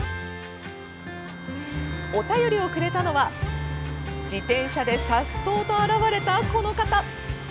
お便りをくれたのは自転車でさっそうと現れた、この方。